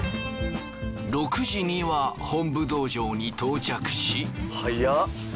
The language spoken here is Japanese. ６時には本部道場に到着し。